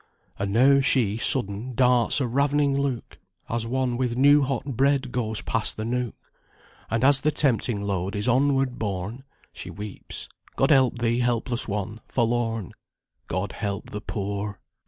And now she, sudden, darts a ravening look, As one, with new hot bread, goes past the nook; And, as the tempting load is onward borne, She weeps. God help thee, helpless one, forlorn! God help the poor!